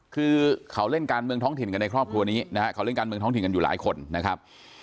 คือเขาเล่นการเมืองท้องถิ่นกันในครอบครัวนี้นะฮะเขาเล่นการเมืองท้องถิ่นกันอยู่หลายคนนะครับ